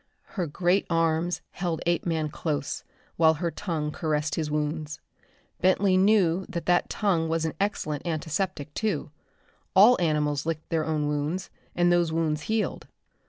Her great arms held Apeman close while her tongue caressed his wounds. Bentley knew that that tongue was an excellent antiseptic, too. All animals licked their own wounds, and those wounds healed.